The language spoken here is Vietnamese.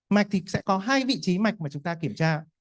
mạch thì sẽ có hai vị trí mạch mà chúng ta kiểm tra